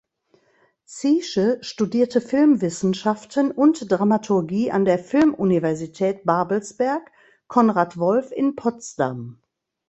Ziesche studierte Filmwissenschaften und Dramaturgie an der Filmuniversität Babelsberg Konrad Wolf in Potsdam.